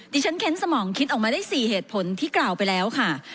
ที่ฉันเค้นสมองคิดออกมาได้๔เหตุผลที่กล่าวไปแล้วค่ะ